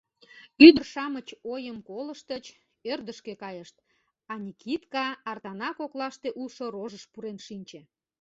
Ӱдыр-шамыч ойым колыштыч, ӧрдыжкӧ кайышт, а Никитка артана коклаште улшо рожыш пурен шинче.